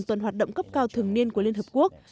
tuần hoạt động cấp cao thường niên của liên hợp quốc